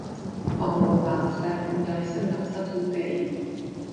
Omlouvám se, měl jsem napsat úterý.